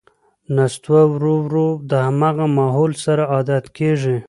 نستوه ورو ـ ورو د همغه ماحول سره عادت کېږي.